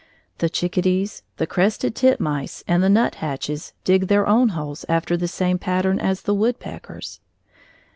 The chickadees, the crested titmice, and the nuthatches dig their own holes after the same pattern as the woodpecker's.